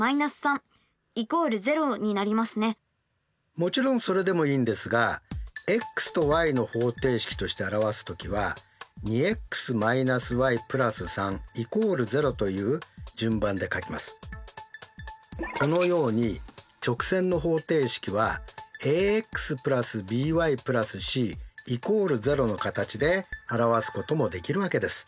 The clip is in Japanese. もちろんそれでもいいんですがこのように直線の方程式はａｘ＋ｂｙ＋ｃ＝０の形で表すこともできるわけです。